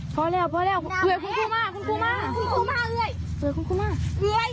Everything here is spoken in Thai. พอแล้วพอแล้ว